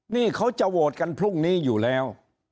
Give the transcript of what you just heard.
นี่เขาจะโหวตกันพรุ่งนี้อยู่แล้ว